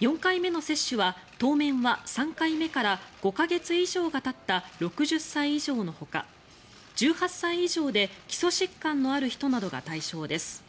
４回目の接種は、当面は３回目から５か月以上がたった６０歳以上のほか１８歳以上で基礎疾患のある人などが対象です。